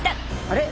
あれ？